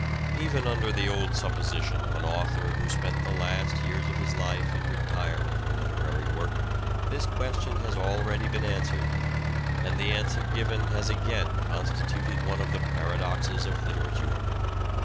Even under the old supposition of an author who spent the last years of his life in retirement from literary work this question has already been answered, and the answer given has again constituted one of the paradoxes of literature.